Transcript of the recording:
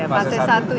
fase satu itu